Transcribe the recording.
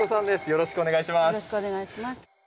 よろしくお願いします。